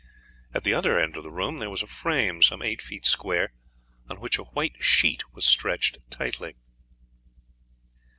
At the other end of the room there was a frame some eight feet square on which a white sheet was stretched tightly.